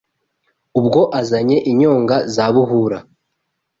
Ubwo azanye inyonga za Buhura